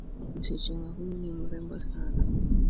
Msichana huyu ni mrembo sana.